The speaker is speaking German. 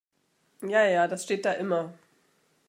Ja ja, das steht da immer.